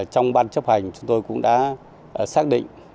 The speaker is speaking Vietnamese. trong ban chấp hành chúng tôi cũng đã xác định